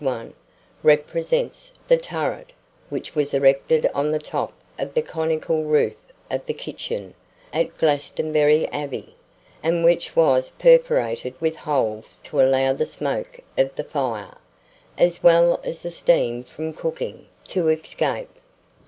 1, represents the turret which was erected on the top of the conical roof of the kitchen at Glastonbury Abbey, and which was perforated with holes to allow the smoke of the fire, as well as the steam from cooking, to escape.